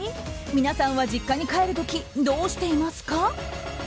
皆さんは実家に帰る時どうしていますか？